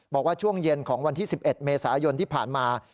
บอกว่าช่วงเย็นของวันที่๑๑เมษายนที่ผ่านมา